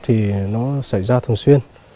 thì nó xảy ra thường xuyên